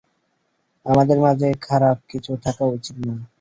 আমাদের মাঝে খারাপ কিছু থাকা উচিত না।